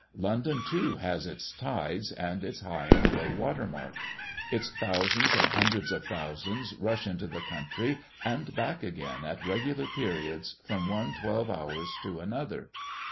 London, too, has its tides, and its high and low water mark; its thousands and hundreds of thousands rush into the country and back again at regular periods from one twelve hours to another.